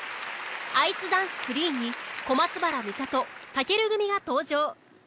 アイスダンスフリーに小松原美里尊組が登場。